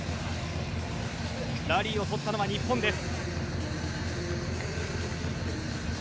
ラリーを取ったのは日本です。